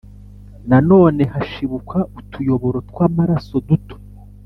Nanone hashibuka utuyoboro tw’ amaraso duto.